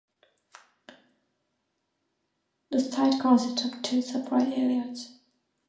The site consists of two separate areas.